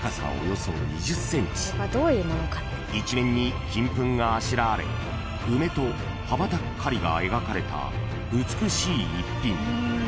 ［一面に金粉があしらわれ梅と羽ばたく雁が描かれた美しい逸品］